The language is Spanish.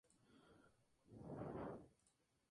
Las llantas usan aleación de magnesio.